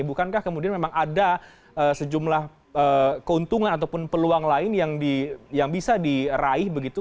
bukankah kemudian memang ada sejumlah keuntungan ataupun peluang lain yang bisa diraih begitu